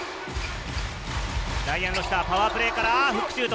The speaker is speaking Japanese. ライアン・ロシター、パワープレーからフックシュート。